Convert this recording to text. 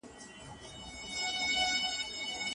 تښتېدلې ورنه ډلي د لېوانو